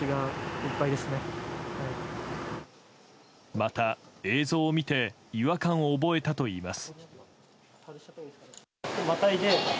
また、映像を見て違和感を覚えたといいます。